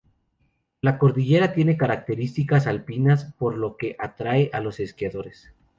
La cordillera tiene características alpinas, por lo que atrae a los esquiadores.